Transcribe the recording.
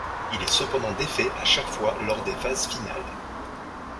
Il est cependant défait à chaque fois lors des phases finales.